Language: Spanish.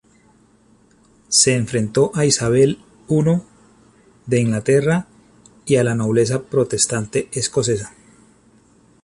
Se enfrentó a Isabel I de Inglaterra y a la nobleza protestante escocesa.